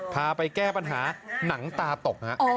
พาไปแก้ปัญหาหนังตาตกฮะ